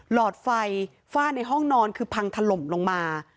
หลอดไฟฝ้าในห้องนอนคือพังถล่มลงมา